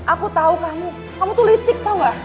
aku tahu kamu kamu tuh licik tau gak